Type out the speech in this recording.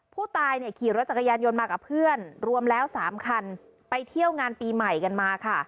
ผู้ตายเนี่ยขี่รถจักรยานยนต์มากับเพื่อนรวมแล้ว๓คันไปเที่ยวงานปีใหม่กันมาค่ะ